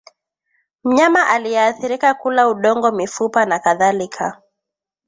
Mnyama aliyeathirika kula udongo mifupa na kadhalika